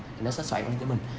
thì nó sẽ soạn lên cho mình